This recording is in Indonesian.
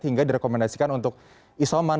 hingga direkomendasikan untuk isoman